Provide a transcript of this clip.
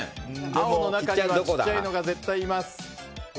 青の中には小さいのが絶対います。